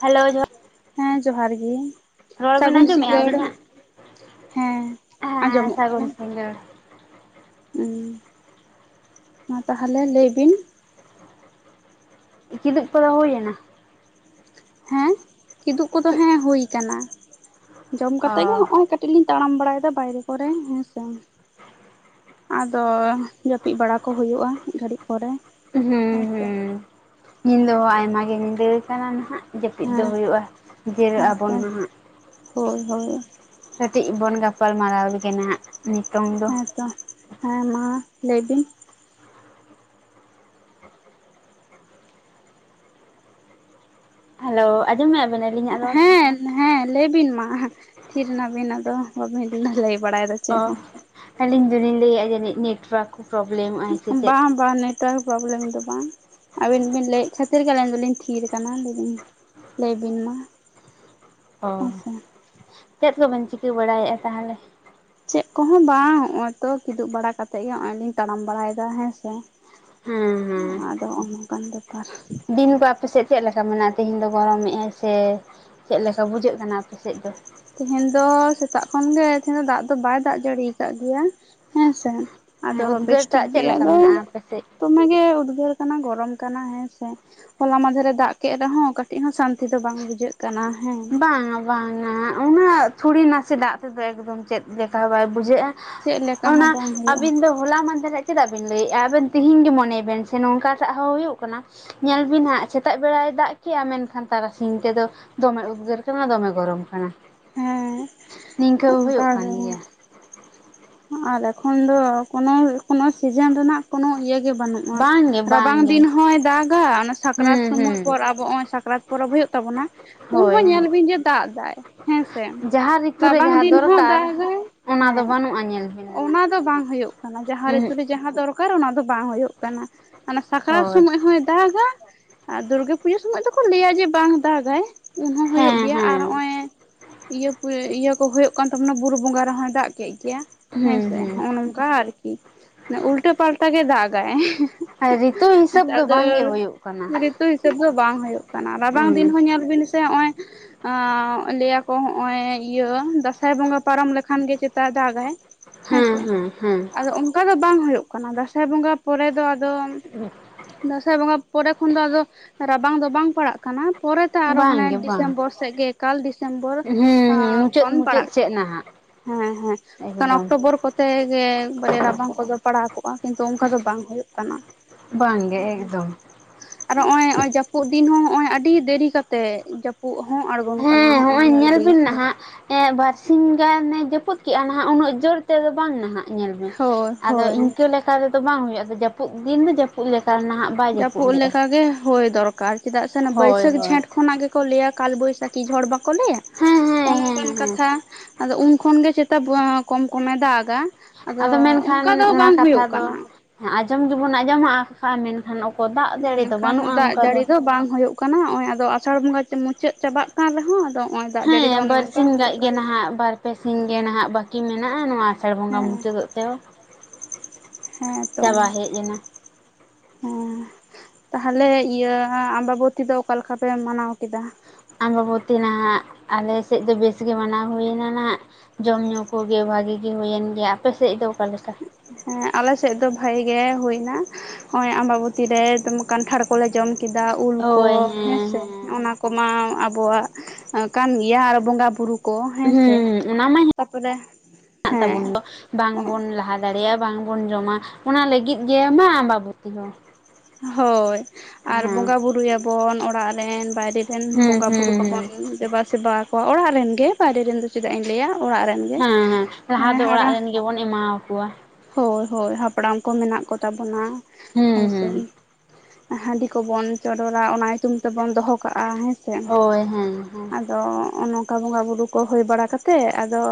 Hello ᱡᱚᱦᱟᱮ ᱦᱮᱸ ᱡᱚᱦᱟᱨ ᱜᱮ ᱵᱮᱱ ᱥᱟᱹᱜᱩᱱ ᱟᱸᱡᱚᱢᱮᱫᱼᱟ ᱥᱤᱸᱜᱟᱹᱲ ᱟᱹᱞᱤᱧᱟᱜ ᱦᱮᱸ ᱦᱮᱸ ᱟᱸᱡᱚᱢᱚᱜ ᱥᱟᱹᱜᱩᱱ ᱠᱟᱱᱟ ᱥᱤᱸᱜᱟᱹᱲ ᱩᱹᱻ ᱢᱟ ᱛᱟᱦᱚᱞᱮ ᱞᱟᱹᱭ ᱵᱤᱱ ᱠᱤᱫᱩᱵ ᱠᱚᱫᱚ ᱦᱩᱭᱮᱱᱟ ᱦᱮᱸ ᱠᱤᱫᱩᱵ ᱠᱚᱫᱚ ᱦᱮᱸ ᱦᱩᱭ ᱠᱟᱱᱟ ᱡᱚᱢ ᱚ ᱠᱟᱛᱮᱜ ᱜᱮ ᱱᱚᱜ-ᱚᱭ ᱠᱟᱹᱴᱤᱡ ᱠᱟᱹᱴᱤᱡ ᱞᱤᱧ ᱛᱟᱲᱟᱢ ᱵᱟᱲᱟᱭᱮᱫᱟ ᱵᱟᱭᱨᱮ ᱠᱚᱨᱮ ᱦᱮᱸᱥᱮ ᱟᱫᱚ ᱡᱟᱹᱯᱤᱫ ᱵᱟᱲᱟ ᱠᱚ ᱦᱩᱭᱩᱜᱼᱟ ᱢᱤᱫ ᱜᱷᱟᱹᱲᱤᱡ ᱯᱚᱨᱮ ᱦᱩᱸ ᱦᱮᱸᱥᱮ ᱦᱩᱸ ᱧᱤᱫᱟᱹ ᱦᱚᱸ ᱟᱭᱢᱟ ᱜᱮ ᱧᱤᱫᱟᱹ ᱠᱟᱱᱟ ᱱᱟᱦᱟᱜ ᱡᱟᱹᱯᱤᱫ ᱫᱚ ᱦᱮᱸ ᱦᱩᱭᱩᱜᱼᱟ ᱡᱤᱨᱟᱹᱜ ᱟᱵᱚᱱ ᱦᱮᱸᱛᱚ ᱱᱟᱦᱟᱜ ᱦᱳᱭ ᱦᱳᱭ ᱠᱟᱹᱴᱤᱡ ᱵᱚᱱ ᱜᱟᱯᱟᱞᱢᱟᱨᱟᱣ ᱞᱟᱹᱜᱤᱫ ᱜᱮ ᱱᱟᱜ ᱱᱤᱛᱚᱝ ᱫᱚ᱾ ᱛᱚ ᱦᱮᱸ ᱢᱟ ᱞᱟᱹᱭ ᱵᱮᱱ ᱦᱮᱞᱳ ᱟᱸᱡᱚᱢ ᱮᱫᱟ ᱵᱤᱱ ᱟᱹᱞᱤᱧᱟᱜ ᱨᱚᱲ ᱦᱮᱸ ᱦᱮᱸ ᱞᱟᱹᱭ ᱵᱤᱱ ᱢᱟ᱾ ᱛᱷᱤᱨ ᱮᱱᱟᱵᱤᱱ ᱟᱫᱚ ᱵᱟᱵᱤᱱ ᱞᱟᱹᱭ ᱵᱟᱲᱟᱭ ᱮᱫᱟ ᱚᱻ ᱟᱹᱞᱤᱧ ᱫᱚᱞᱤᱧ ᱞᱟᱹᱭᱮᱫ ᱡᱟᱹᱱᱤᱡ ᱱᱮᱴᱚᱣᱟᱨᱠ ᱠᱚ ᱯᱨᱚᱵᱞᱮᱢᱚᱜᱟᱭ ᱥᱮ ᱪᱮᱫ ᱵᱟᱝ ᱵᱟᱝ ᱱᱮᱴᱣᱟᱨᱠ ᱯᱨᱚᱵᱞᱮᱢ ᱫᱚ ᱵᱟᱝ ᱟᱹᱵᱤᱱ ᱵᱤᱱ ᱞᱟᱹᱭᱮᱫ ᱠᱷᱟᱹᱛᱤᱨ ᱜᱮ ᱟᱹᱞᱤᱧ ᱫᱚᱞᱤᱧ ᱛᱷᱤᱨ ᱟᱠᱟᱱᱟ ᱞᱟᱹᱭ ᱞᱟᱹᱭᱵᱤᱱ ᱢᱟ ᱚ ᱦᱮᱸᱥᱮ ᱪᱮᱫ ᱠᱚᱵᱮᱱ ᱪᱤᱠᱟᱹ ᱵᱟᱲᱟᱭᱮᱫᱼᱟ ᱛᱟᱦᱚᱞᱮ ᱪᱮᱫ ᱠᱚᱦᱚᱸ ᱵᱟᱝ ᱱᱚᱜ-ᱚᱭ ᱛᱚ ᱠᱤᱫᱩᱵ ᱵᱟᱲᱟ ᱠᱟᱛᱮᱜ ᱜᱮ ᱱᱚᱜ-ᱚᱭ ᱞᱤᱧ ᱛᱟᱲᱟᱢ ᱵᱟᱲᱟᱭᱮᱫᱟ ᱦᱮᱸ ᱥᱮ ᱦᱮᱸ ᱦᱮᱸ ᱟᱫᱚ ᱱᱚᱝᱠᱟᱱ ᱵᱮᱯᱟᱨ ᱫᱤᱱ ᱠᱚ ᱟᱯᱮ ᱥᱮᱫ ᱪᱮᱫ ᱞᱮᱠᱟ ᱢᱮᱱᱟᱜᱼᱟ ᱛᱮᱦᱮᱧ ᱫᱚᱭ ᱜᱚᱨᱚᱢᱮᱫ-ᱟᱭ ᱥᱮ ᱪᱮᱫ ᱞᱮᱠᱟ ᱵᱩᱡᱷᱟᱹᱜ ᱠᱟᱱᱟ ᱟᱯᱮᱥᱮᱫ ᱫᱚ ᱛᱮᱦᱮᱧ ᱫᱚ ᱥᱮᱛᱟᱜ ᱠᱷᱚᱱ ᱜᱮ ᱛᱮᱦᱮᱧ ᱫᱚ ᱫᱟᱜ ᱫᱚ ᱵᱟᱭ ᱫᱟᱜ ᱡᱟᱹᱲᱤ ᱟᱠᱟᱫ ᱜᱮᱭᱟ ᱦᱮᱸᱥᱮ ᱟᱫᱚ ᱦᱮᱸ ᱵᱮᱥ ᱩᱫᱽᱜᱟᱹᱨ ᱴᱷᱤᱠ ᱴᱟᱜ ᱪᱮᱫ ᱜᱮᱭᱟ ᱞᱮᱠᱟ ᱟᱫᱚ ᱢᱮᱱᱟᱜᱼᱟ ᱟᱯᱮ ᱥᱮᱫ ᱫᱚᱢᱮ ᱜᱮ ᱩᱫᱽᱜᱟᱹᱨ ᱠᱟᱱᱟ ᱜᱚᱨᱚᱢ ᱠᱟᱱᱟ ᱦᱮᱸᱥᱮ ᱦᱚᱞᱟ ᱢᱟᱫᱷᱮ ᱨᱮ ᱫᱟᱜ ᱠᱮᱫ ᱨᱮᱦᱚᱸ ᱠᱟᱹᱴᱤᱡ ᱦᱚᱸ ᱥᱟᱱᱼᱼ ᱛᱤ ᱫᱚ ᱵᱟᱝ ᱵᱩᱡᱷᱟᱹᱜ ᱠᱟᱱᱟ ᱦᱮᱻ ᱵᱟᱝᱼᱟ ᱩᱱᱟᱹᱜ ᱛᱷᱩᱲᱤ ᱱᱟᱥᱮ ᱫᱟᱜ ᱛᱮᱫᱚ ᱮᱠᱫᱚᱢ ᱪᱮᱫ ᱞᱮᱠᱟ ᱵᱟᱭ ᱵᱩᱡᱷᱟᱹᱜᱼᱟ ᱪᱮᱫ ᱞᱮᱠᱟ ᱦᱚᱸ ᱚᱱᱟ ᱵᱟᱝ ᱦᱩᱭᱩᱜᱼᱟ ᱟᱹᱵᱤᱱ ᱫᱚ ᱦᱚᱞᱟ ᱢᱟᱦᱫᱷᱮᱨ ᱟᱜ ᱪᱮᱫᱟᱜ ᱵᱤᱱ ᱞᱟᱹᱭ ᱮᱫᱼᱟ ᱟᱵᱮᱱ ᱛᱤᱦᱤᱧ ᱜᱮ ᱢᱚᱱᱮ ᱵᱤᱱ ᱥᱮ ᱱᱚᱝᱠᱟᱴᱟᱜ ᱦᱚᱸ ᱦᱩᱭᱩᱜ ᱠᱟᱱᱟ ᱧᱮᱞ ᱵᱤᱱ ᱦᱟᱸᱜ ᱥᱮᱛᱟᱜ ᱵᱮᱲᱟᱭ ᱫᱟᱜ ᱠᱮᱫᱼᱟ ᱢᱮᱱᱠᱷᱟᱱ ᱛᱟᱨᱟᱥᱤᱧ ᱛᱮᱫᱚ ᱫᱚᱢᱮ ᱩᱫᱽᱜᱟᱹᱨ ᱠᱟᱱᱟ ᱫᱚᱢᱮ ᱜᱚᱨᱚᱢ ᱠᱟᱱᱟ᱾ ᱱᱤᱝᱠᱟᱹ ᱦᱚᱸ ᱦᱩᱭᱩᱜ ᱠᱟᱱ ᱚᱱᱠᱟᱜᱮ ᱜᱮᱭᱟ ᱟᱨ ᱮᱠᱷᱚᱱ ᱫᱚ ᱠᱳᱱᱳ ᱠᱳᱱᱳ ᱥᱤᱡᱮᱱ ᱨᱮᱱᱟᱜ ᱠᱳᱱᱳ ᱤᱭᱟ. ᱜᱮ ᱵᱟᱹᱱᱩᱜᱼᱟ ᱵᱟᱝᱜᱮ ᱨᱟᱵᱟᱝ ᱵᱟᱝᱜᱮ ᱫᱤᱱ ᱦᱚᱭ ᱫᱟᱜᱼᱟ ᱚᱱᱟ ᱥᱟᱠᱨᱟᱛ ᱦᱩᱸ ᱥᱚᱢᱚᱭ ᱦᱩᱸ ᱯᱚᱨ ᱟᱵᱚ ᱚᱭ ᱥᱟᱠᱨᱟᱛ ᱯᱚᱨᱚᱵᱽ ᱦᱳᱭᱳᱜ ᱛᱟᱵᱚᱱᱟ ᱦᱳᱭ ᱩᱱᱦᱚᱸ ᱦᱮᱸ ᱧᱮᱞ ᱵᱤᱱ ᱡᱮ ᱫᱟᱜ ᱫᱟᱭ ᱦᱮᱸᱥᱮ ᱡᱟᱦᱟᱸ ᱨᱤᱛᱩ ᱨᱮ ᱨᱟᱵᱟᱝ ᱡᱟᱦᱟᱸ ᱫᱤᱱ ᱦᱚᱸ ᱫᱚᱨᱠᱟᱨ ᱦᱮᱸᱫᱟᱜ ᱟᱭ ᱚᱱᱟ ᱦᱮᱸ ᱫᱚ ᱵᱟᱹᱱᱩᱜᱼᱟ ᱧᱮᱞ ᱵᱤᱱ ᱱᱟᱦᱟᱜ ᱚᱱᱟ ᱫᱚ ᱵᱟᱝ ᱦᱩᱭᱩᱜ ᱠᱟᱱᱟ ᱡᱟᱦᱟᱸ ᱨᱮ ᱩᱦᱩᱸᱜ ᱛᱩᱞᱩᱡ ᱡᱟᱦᱟᱸ ᱫᱚᱨᱠᱟᱨ ᱚᱱᱟ ᱫᱚ ᱵᱟᱝ ᱦᱳᱭᱳᱜ ᱠᱟᱱᱟ ᱚᱱᱟ ᱥᱟᱠᱨᱟᱛ ᱦᱳᱭ ᱥᱚᱢᱚᱭ ᱦᱚᱸᱭ ᱫᱟᱜᱟ ᱟᱨ ᱫᱩᱨᱜᱟᱹ ᱯᱩᱡᱟᱹ ᱥᱚᱢᱚᱭ ᱫᱚᱠᱚ ᱞᱟᱹᱭᱟ ᱡᱮ ᱵᱟᱝ ᱫᱟᱜᱼᱟᱭ ᱩᱱ ᱦᱚᱸ ᱦᱩᱭᱩᱜ ᱦᱮᱸ ᱜᱮᱭᱟ ᱦᱮᱸ ᱟᱨ ᱱᱚᱜᱼᱚᱭ ᱤᱭᱟᱹ ᱤᱭᱟᱹ ᱠᱚ ᱦᱩᱭᱩᱜ ᱠᱟᱱ ᱛᱟᱵᱚᱱᱟ ᱵᱩᱨᱩ ᱵᱚᱸᱜᱟ ᱨᱮᱦᱚᱸᱭ ᱫᱟᱜ ᱠᱮᱫ ᱜᱮᱭᱟ ᱦᱩᱸ ᱦᱮᱸᱥᱮᱜ ᱦᱩᱸ ᱱᱚᱜ ᱚᱭ ᱱᱚᱝ ᱟᱨᱠᱤ ᱩᱞᱴᱟᱹ ᱯᱟᱞᱴᱟ ᱜᱮ ᱫᱟᱜᱼᱟᱭ ᱨᱤᱛᱩ ᱦᱤᱥᱟᱹᱵ ᱫᱚ ᱵᱟᱝ ᱜᱮ ᱦᱩᱭᱩᱜ ᱠᱟᱱᱟ ᱨᱤᱛᱩ ᱦᱤᱥᱟᱹᱵ ᱫᱚ ᱵᱟᱝ ᱦᱩᱭᱩᱜ ᱠᱟᱱᱟ ᱨᱟᱵᱟᱝ ᱫᱤᱱ ᱦᱩᱸ ᱦᱚᱸ ᱧᱮᱞ ᱵᱤᱱ ᱥᱮ ᱱᱚᱜᱼᱚᱭ ᱞᱟᱹᱭᱟ ᱠᱚ ᱦᱚᱜ ᱚᱭ ᱤᱭᱟᱹ ᱫᱟᱸᱥᱟᱭ ᱵᱚᱸᱜᱟ ᱯᱟᱨᱚᱢ ᱞᱮᱠᱷᱟᱱ ᱜᱮ ᱪᱮᱛᱟ ᱫᱟᱜᱟᱭ᱾ ᱦᱮᱸ ᱦᱮᱸᱥᱮ ᱦᱮᱸ ᱦᱮᱸ ᱟᱫᱚ ᱚᱱᱠᱟ ᱫᱚ ᱵᱟᱝ ᱦᱩᱭᱩᱜ ᱠᱟᱱᱟ ᱫᱟᱸᱥᱟᱭ ᱵᱚᱸᱜᱟ ᱯᱚᱨᱮ ᱫᱚ ᱟᱫᱚ ᱟᱫᱚ ᱫᱟᱸᱥᱟᱭ ᱵᱚᱸᱜᱟ ᱯᱚᱨᱮ ᱠᱷᱚᱱ ᱫᱚ ᱟᱫᱚ ᱨᱟᱵᱟᱝ ᱫᱚ ᱵᱟᱝ ᱯᱟᱲᱟᱜ ᱠᱟᱱᱟ ᱯᱚᱨᱮ ᱟᱨᱚ ᱦᱟᱱᱮ ᱵᱟᱝ ᱜᱮ ᱵᱟᱝ ᱰᱤᱥᱮᱢᱵᱚᱨ ᱥᱮᱫ ᱜᱮ ᱮᱠᱟᱞ ᱰᱤᱥᱮᱢᱵᱚᱨ ᱦᱩᱸ ᱦᱩᱸ ᱢᱩᱪᱟᱹᱫ ᱠᱷᱚᱱ ᱢᱩᱪᱟᱹᱫ ᱯᱟᱲᱟᱜ ᱥᱮᱫ ᱠᱟᱱᱟ ᱱᱟᱦᱟᱜ ᱦᱮᱸ ᱦᱮᱸ ᱮᱠᱫᱚᱢ ᱚᱠᱴᱳᱵᱚᱨ ᱠᱚᱛᱮ ᱜᱮ ᱵᱚᱞᱮ ᱨᱟᱵᱟᱝ ᱠᱚᱫᱚ ᱯᱟᱲᱟᱣ ᱠᱚᱜᱼᱟ ᱠᱤᱱᱛᱩ ᱚᱱᱠᱟ ᱫᱚ ᱵᱟᱝ ᱦᱩᱭᱩᱜ ᱠᱟᱱᱟ [unintelligible] ᱵᱟᱝ ᱜᱮ ᱮᱠᱫᱚᱢ ᱟᱨ ᱱᱚᱜᱚᱭ ᱡᱟᱹᱯᱩᱫ ᱫᱤᱱ ᱦᱚᱸ ᱱᱚᱜᱚᱭ ᱟᱹᱰᱤ ᱫᱮᱨᱤ ᱠᱟᱛᱮᱜ ᱩᱵ ᱦᱚᱸ ᱟᱬᱜᱚᱱ ᱠᱟᱱᱟ ᱦᱚᱜᱼᱚᱭ ᱧᱮᱞ ᱵᱤᱱ ᱥᱮ ᱵᱟᱨᱥᱤ ᱜᱟᱱᱮ ᱡᱟᱹᱯᱩᱫ ᱠᱮᱜᱼᱟ ᱱᱟᱦᱟᱜ ᱩᱱᱟᱹᱜ ᱡᱳᱨ ᱛᱮᱫᱚ ᱵᱟᱝ ᱱᱟᱦᱟᱜ ᱧᱮᱞ ᱢᱮ ᱦᱳᱭ ᱟᱫᱚ ᱦᱳᱭ ᱤᱱᱠᱟᱹ ᱞᱮᱠᱟ ᱛᱮᱫᱚ ᱵᱟᱝ ᱦᱩᱭᱩᱜᱼᱟ ᱡᱟᱹᱯᱩᱫ ᱫᱤᱱ ᱫᱚ ᱡᱟᱹᱯᱩᱫ ᱞᱮᱠᱟ ᱱᱟᱦᱟᱜ ᱵᱟᱭ ᱡᱟᱹᱯᱩᱫ ᱞᱮᱜᱼᱟ ᱞᱮᱠᱟᱜᱮ ᱦᱳᱭ ᱫᱚᱨᱠᱟᱨ ᱪᱮᱫᱟᱜ ᱥᱮ ᱦᱳᱭ ᱵᱟᱹᱭᱥᱟᱹᱠᱷ ᱦᱳᱭ ᱡᱷᱮᱸᱴ ᱠᱷᱚᱱᱟᱜ ᱜᱮᱠᱚ ᱞᱟᱹᱭᱟ ᱠᱟᱞ ᱵᱟᱹᱭᱥᱟᱹᱠᱷᱤ ᱠᱤ ᱡᱷᱚᱲ ᱵᱟᱠᱚ ᱞᱟᱹᱭᱟ ᱦᱮᱸ ᱦᱮᱸ ᱱᱚᱝᱠᱟᱱ ᱦᱮᱸ ᱦᱮᱸ ᱠᱟᱛᱷᱟ ᱟᱫᱚ ᱩᱱ ᱠᱷᱚᱱ ᱜᱮ ᱪᱮ ᱛᱟᱵᱚ ᱠᱚᱢ ᱠᱚᱢᱮ ᱫᱟᱜᱟ ᱟᱫᱚ ᱢᱮᱱᱠᱷᱟᱱ ᱚᱱᱠᱟ ᱫᱚ ᱚᱱᱟ ᱵᱟᱝ ᱠᱟᱛᱷᱟ ᱦᱩᱭᱩᱜ ᱫᱚ ᱠᱟᱱᱟ᱾ ᱟᱸᱡᱚᱢ ᱜᱮᱵᱚᱱ ᱟᱸᱡᱚᱢᱟ ᱠᱟᱜᱼᱟ ᱢᱮᱱᱠᱷᱟᱱ ᱫᱟᱜ ᱡᱟᱹᱲᱤ ᱫᱚ ᱢᱮᱱᱠᱷᱟᱱ ᱵᱟᱹᱱᱩᱜᱼᱟ ᱫᱟᱜ ᱚᱱᱠᱟ ᱡᱟᱹᱲᱤ ᱫᱚ ᱵᱟᱝ ᱦᱳᱭᱳᱜ ᱠᱟᱱᱟ ᱱᱚᱜᱼᱚᱭ ᱟᱫᱚ ᱟᱥᱟᱲ ᱵᱚᱸᱜᱟ ᱢᱩᱪᱟᱹᱫ ᱪᱟᱵᱟᱜ ᱠᱟᱱ ᱨᱮᱦᱚᱸ ᱱᱚᱜᱼᱚᱭ ᱫᱟᱜ ᱡᱟᱹᱲᱤ ᱫᱚ ᱚᱱᱮ ᱚᱱᱠᱟ ᱦᱩᱭᱩᱜ ᱠᱟᱱᱟ ᱦᱟᱯᱮ ᱥᱤᱧ ᱜᱮ ᱱᱟᱦᱟᱜ ᱵᱟᱹᱠᱤ ᱢᱮᱱᱟᱜᱼᱟ ᱱᱚᱣᱟ ᱟᱥᱟᱲ ᱵᱚᱸᱜᱟ ᱦᱮᱸ ᱢᱩᱪᱟᱹᱫᱚᱜ ᱛᱮᱦᱚᱸ ᱦᱮᱸ ᱛᱚ ᱦᱮᱡ ᱮᱱᱟ ᱦᱮᱸ ᱛᱟᱦᱚᱞᱮ ᱤᱭᱟᱹ ᱟᱢᱵᱟᱵᱚᱛᱤ ᱫᱚ ᱚᱠᱟ ᱞᱮᱠᱟ ᱯᱮ ᱢᱟᱱᱟᱣ ᱠᱮᱫᱟ ᱟᱢᱵᱟᱵᱚᱛᱤ ᱱᱟᱦᱟᱜ ᱟᱞᱮ ᱥᱮᱫ ᱫᱚ ᱵᱮᱥ ᱜᱮ ᱢᱟᱱᱟᱣ ᱦᱩᱭᱮᱱᱟ ᱱᱟᱦᱱᱟᱜ ᱡᱚᱢ ᱧᱩ ᱠᱚᱜᱮ ᱵᱷᱟᱜᱤ ᱜᱮ ᱦᱩᱭᱮᱱ ᱜᱮᱭᱟ ᱟᱯᱮᱥᱮᱡ ᱫᱚ ᱚᱠᱟ ᱞᱮᱠᱟ? ᱦᱮᱸ ᱟᱞᱮ ᱥᱮᱡ ᱫᱚ ᱵᱷᱟᱜᱤ ᱜᱮ ᱦᱩᱭ ᱮᱱᱟ ᱱᱚᱜᱼᱚᱭ ᱟᱢᱵᱟᱵᱚᱛᱤ ᱨᱮ ᱠᱟᱱᱴᱷᱟᱲ ᱠᱚᱞᱮ ᱡᱚᱢ ᱠᱮᱫᱟ ᱩᱞ ᱠᱚ ᱦᱮᱸ ᱥᱮ ᱚᱱᱟᱼᱼ ᱠᱚ ᱢᱟ ᱟᱵᱚᱣᱟᱜ ᱠᱟᱱ ᱜᱮᱭᱟ ᱟᱨ ᱵᱚᱸᱜᱟ ᱵᱩᱨᱩ ᱠᱚ ᱦᱮᱸᱥᱮ ᱦᱮᱸ ᱚᱱᱟ ᱢᱟ ᱛᱟᱯᱚᱨᱮ ᱦᱮᱱᱟᱜ ᱦᱮᱸ ᱛᱟᱵᱚᱱ ᱫᱚ ᱵᱟᱝᱵᱚᱱ ᱞᱟᱦᱟᱼᱼ ᱫᱟᱲᱮᱭᱟᱜᱼᱟ ᱵᱟᱝᱵᱚᱱ ᱡᱚᱢᱟ ᱚᱱᱟ ᱞᱟᱹᱜᱤᱫ ᱜᱮ ᱢᱟ ᱟᱢᱵᱟᱵᱚᱛᱤ ᱦᱚᱸ ᱦᱳᱭ ᱦᱮᱸ ᱟᱨ ᱦᱩᱸ ᱵᱚᱸᱜᱟ ᱵᱩᱨᱩ ᱭᱟᱵᱚᱱ ᱚᱲᱟᱜ ᱨᱮᱱ ᱵᱟᱭᱨᱮ ᱨᱮᱱ ᱦᱩᱸ ᱵᱚᱸᱜᱟ ᱵᱩᱨᱩ ᱠᱚᱵᱚᱱ ᱦᱩᱸ ᱫᱮᱵᱟ ᱥᱮᱵᱟᱣᱟ ᱠᱚ ᱚᱲᱟᱜ ᱨᱮᱱ ᱜᱮ ᱵᱟᱭᱨᱮ ᱨᱮᱱ ᱫᱚ ᱪᱮᱫᱟᱜ ᱤᱧ ᱞᱟᱹᱭᱟ ᱚᱲᱟᱜ ᱨᱮᱱ ᱜᱮ ᱦᱮᱸ ᱦᱮᱸ ᱞᱟᱦᱟ ᱫᱚ ᱚᱲᱟᱜ ᱨᱮᱱ ᱜᱮᱵᱚᱱ ᱮᱢᱟᱣᱟᱠᱚᱣᱟ ᱦᱳᱭ ᱦᱳᱭ ᱦᱟᱯᱲᱟᱢ ᱠᱚ ᱢᱮᱱᱟᱜ ᱠᱚ ᱛᱟᱵᱚᱱᱟ ᱦᱩᱸ ᱦᱮᱸᱥᱮ ᱦᱩᱸ ᱦᱟᱺᱰᱤ ᱠᱚᱵᱚᱱ ᱪᱚᱰᱚᱨᱟ ᱚᱱᱟ ᱧᱩᱛᱩᱢ ᱛᱮᱵᱚᱱ ᱫᱚᱦᱚ ᱠᱟᱜᱼᱟ ᱦᱮᱸ ᱦᱳᱭ ᱦᱮᱸ ᱦᱮᱸ ᱟᱫᱚ ᱱᱚᱠᱟ ᱵᱚᱸᱜᱟ ᱵᱩᱨᱩ ᱠᱚ ᱦᱩᱭ ᱵᱟᱲᱟ ᱠᱟᱛᱮᱜ ᱟᱫᱚ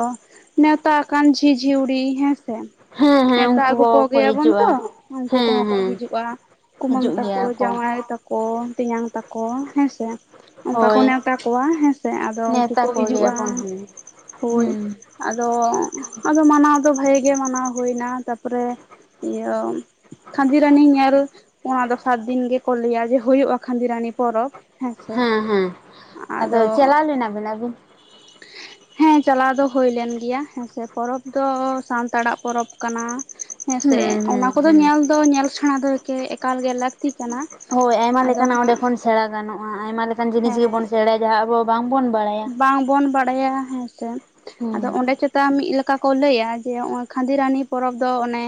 ᱱᱮᱣᱛᱟ ᱟᱠᱟᱱ ᱡᱷᱤᱡᱽ ᱡᱷᱤᱣᱲᱤ ᱦᱮᱸᱥᱮ ᱦᱮᱸ ᱦᱮᱸ ᱱᱮᱶᱛᱟ ᱩᱱᱠᱩ ᱟᱹᱜᱩ ᱠᱚᱠᱚ ᱠᱚᱜᱮᱭᱟᱵᱚᱱ ᱛᱚ ᱦᱤᱡᱩᱜᱼᱟ ᱩᱱᱠᱩ ᱦᱮᱸ ᱠᱚᱦᱚᱸ ᱠᱚ ᱦᱮᱸ ᱦᱤᱡᱩᱜᱼᱟ ᱠᱩᱢᱟᱹᱝ ᱦᱤᱡᱩᱜ ᱛᱟᱠᱚ ᱜᱮᱭᱟ ᱠᱚ ᱡᱟᱢᱟᱭ ᱛᱟᱠᱚ ᱛᱮᱧᱟᱝ ᱛᱟᱠᱚ ᱦᱮᱸᱥᱮ ᱚᱱᱠᱟ ᱠᱚ ᱦᱳᱭ ᱱᱮᱣᱛᱟ ᱠᱚᱣᱟ ᱦᱮᱸᱥᱮ ᱟᱫᱚ ᱩᱱᱠᱩ ᱱᱮᱣᱛᱟ ᱠᱚ ᱦᱤᱡᱩᱜᱼᱟ ᱠᱚᱜᱮᱭᱟᱵᱚᱱ ᱦᱮᱸ ᱦᱳᱭ ᱦᱩᱸ ᱟᱫᱚ ᱟᱫᱚ ᱢᱟᱱᱟᱣ ᱫᱚ ᱵᱷᱟᱜᱮ ᱜᱮ ᱢᱟᱱᱟᱣ ᱦᱩᱭᱮᱱᱟ ᱛᱟᱨᱯᱚᱨᱮ ᱤᱭᱟᱹ ᱠᱷᱟᱱᱫᱤᱨᱟᱱᱤ ᱧᱮᱞ ᱚᱱᱟ ᱫᱚᱥᱟᱨ ᱫᱤᱱ ᱜᱮ ᱠᱚ ᱞᱟᱹᱭ ᱟ ᱡᱮ ᱦᱩᱭᱩᱜᱼᱟ ᱠᱷᱟᱱᱫᱤᱨᱟᱱᱤ ᱯᱚᱨᱚᱵᱽ ᱦᱮᱸ ᱥᱮ ᱟᱫᱚ ᱪᱟᱞᱟᱣ ᱞᱮᱱᱟ ᱵᱤᱱ ᱟᱹᱵᱤᱱ ᱦᱮᱸ ᱪᱟᱞᱟᱣ ᱫᱚ ᱦᱩᱭᱞᱮᱱ ᱜᱮᱭᱟ ᱦᱮᱸᱥᱮ ᱯᱚᱨᱚᱵ ᱫᱚ ᱥᱟᱱᱛᱟᱲᱟᱜ ᱯᱚᱨᱚᱵᱽ ᱠᱟᱱᱟ ᱦᱮᱸᱥᱮ ᱦᱩᱸ ᱦᱩᱸ ᱚᱱᱟ ᱠᱚᱫᱚ ᱦᱩᱸ ᱧᱮᱞ ᱫᱚ ᱧᱮᱞ ᱥᱮᱬᱟ ᱫᱚ ᱮᱠᱟᱞ ᱜᱮ ᱞᱟᱹᱠᱛᱤ ᱠᱟᱱᱟ ᱦᱳᱭ ᱟᱭᱢᱟ ᱟᱫᱚ ᱞᱮᱠᱟᱱᱟᱜ ᱚᱸᱰᱮ ᱦᱟᱸᱜ ᱠᱷᱚᱱ ᱥᱮᱬᱟ ᱜᱟᱱᱚᱜᱼᱟ ᱟᱭᱢᱟ ᱞᱮᱠᱟᱱ ᱡᱤᱱᱤᱥ ᱜᱮᱵᱚᱱ ᱦᱮᱸ ᱥᱮᱬᱟᱭᱟ ᱡᱟᱦᱟᱸ ᱵᱟᱝ ᱵᱟᱲᱟᱭᱟ ᱵᱟᱝᱵᱚᱱ ᱵᱟᱲᱟᱭᱟ ᱦᱮᱸ ᱟᱫᱚ ᱦᱩᱸ ᱚᱸᱰᱮ ᱪᱮᱛᱟᱱ ᱢᱤᱫ ᱞᱮᱠᱟ ᱠᱚ ᱞᱟᱹᱭᱟ ᱡᱮ ᱠᱷᱟᱱᱫᱤᱨᱟᱱᱤ ᱯᱚᱨᱚᱵᱽ ᱫᱚ ᱚᱱᱮ